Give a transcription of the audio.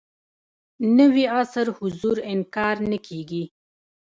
نوي عصر حضور انکار نه کېږي.